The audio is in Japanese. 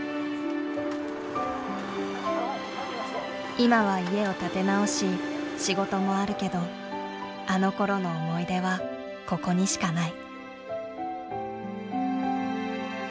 今は家を建て直し仕事もあるけどあのころの思い出はここにしかない。